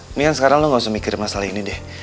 ini kan sekarang lo gak usah mikir masalah ini deh